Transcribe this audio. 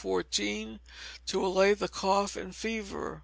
14 to allay the cough and fever.